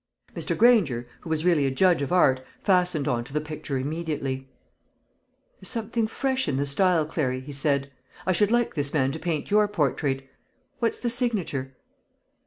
Mr. Granger, who was really a judge of art, fastened on to the picture immediately. "There's something fresh in the style, Clary," he said. "I should like this man to paint your portrait. What's the signature?